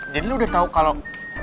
jadi lu udah tau kalau